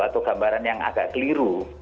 atau gambaran yang agak keliru